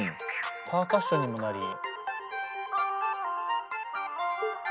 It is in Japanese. パーカッションにもなり。